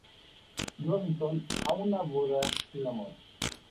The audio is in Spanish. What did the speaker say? Robinson a una boda sin amor...